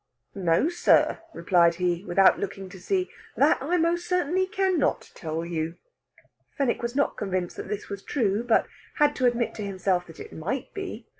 "No, sir," replied he, without looking to see; "that I most certainly can not tell you." Fenwick was not convinced that this was true, but had to admit to himself that it might be.